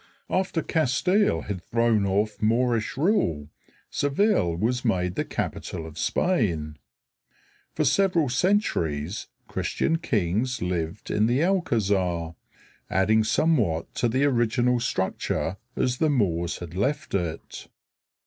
After Castile had thrown off Moorish rule Seville was made the capital of Spain. For several centuries Christian kings lived in the Alcázar, adding somewhat to the original structure as the Moors had left it.